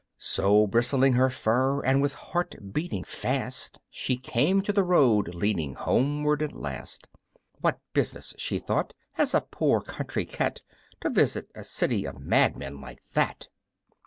So bristling her fur, and with heart beating fast, She came to the road leading homeward at last. "What business," she thought, "has a poor country cat To visit a city of madmen like that?